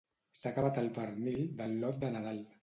S'ha acabat el pernil del lot de Nadal